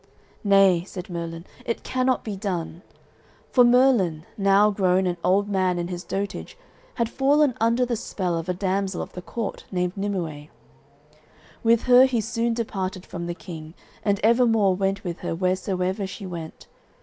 "Nay," said Merlin, "it cannot be done." For Merlin, now grown an old man in his dotage, had fallen under the spell of a damsel of the court named Nimue. With her he soon departed from the King, and evermore went with her wheresoever she went.